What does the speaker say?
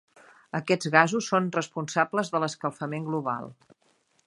Aquests gasos són responsables de l'escalfament global.